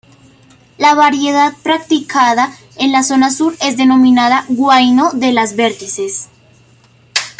La variedad practicada en la zona sur es denominada Huayno de las vertientes.